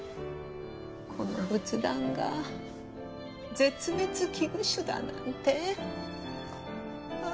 この仏壇が絶滅危惧種だなんてああ。